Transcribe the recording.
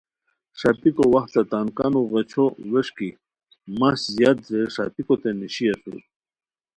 ݰاپیکو وختہ تان کانو غیچو ویݰکی مہچ زیاد درئے ݰاپیکوتین نیشی اسور